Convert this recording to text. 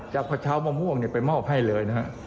จับผัดเช้ามะม่วงไปมอบให้เลยนะครับ